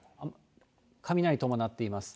雷を伴っています。